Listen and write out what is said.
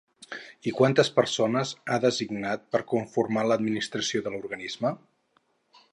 I quantes persones ha designat per conformar l'administració de l'organisme?